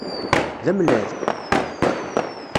D amellal?